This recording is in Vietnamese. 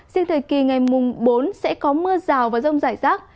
riêng thời kỳ ngày mùng bốn sẽ có mưa rào và rông rải rác